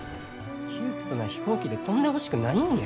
窮屈な飛行機で飛んでほしくないんや。